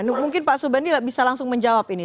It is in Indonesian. nah mungkin pak subandi bisa langsung menjawab ini